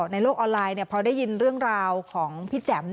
ในโลกออนไลน์พอได้ยินเรื่องราวของพี่แจ๋ม